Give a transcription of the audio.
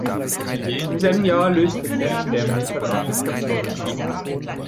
Im selben Jahr löste Def Jam den Vertrag mit Capone auf.